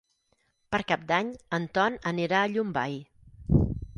Per Cap d'Any en Ton anirà a Llombai.